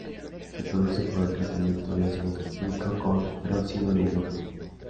Se produce por el tratamiento de ácido sulfúrico con peróxido de hidrógeno.